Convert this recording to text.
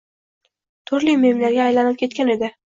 Turli memlarga aylanib ketgan edi.